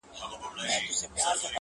د دغې نجلۍ دغسې خندا ده په وجود کي!!